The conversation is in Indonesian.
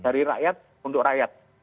dari rakyat untuk rakyat